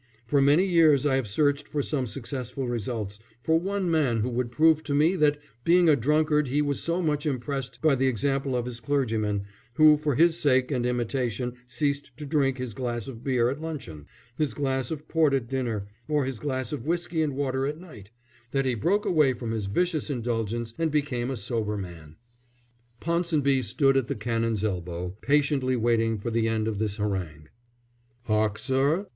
For many years I have searched for some successful results, for one man who would prove to me that, being a drunkard, he was so much impressed by the example of his clergyman, who for his sake and imitation ceased to drink his glass of beer at luncheon, his glass of port at dinner, or his glass of whisky and water at night, that he broke away from his vicious indulgence and became a sober man." Ponsonby stood at the Canon's elbow, patiently waiting for the end of this harangue. "Hock, sir?"